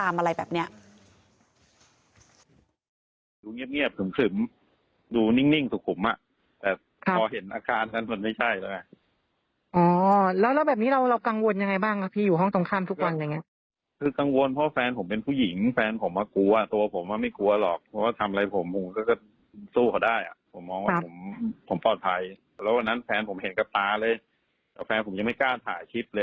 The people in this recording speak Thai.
ไม่รู้ตัวจะโดนคุกคามอะไรแบบนี้